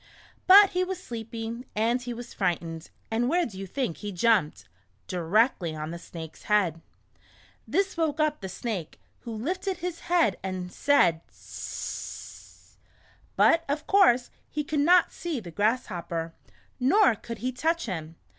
But he was sleepy, and he was frightened, and where do you think he jumped ? Directly on the Snake's head ! This woke up the Snake, who lifted his head and said, "hssssssss." But, of course, he could not see the Grasshopper, nor could he touch him.